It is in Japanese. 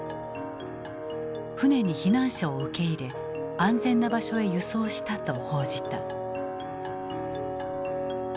船に避難者を受け入れ安全な場所へ輸送したと報じた。